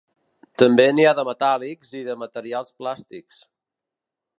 També n'hi ha de metàl·lics i de materials plàstics.